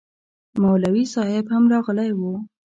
مولوي صاحب هم راغلی و